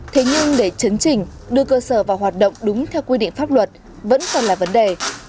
thế nhưng để chấn chỉnh đưa cơ sở vào hoạt động đúng theo quy định pháp luật vẫn còn là vấn đề